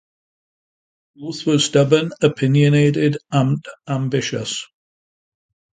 Both were stubborn, opinionated, and ambitious.